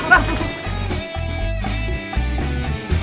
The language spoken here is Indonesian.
tahan tahan tahan